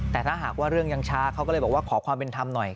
แต่ถ้าหากว่าเรื่องยังช้าเขาก็เลยบอกว่าขอความเป็นธรรมหน่อย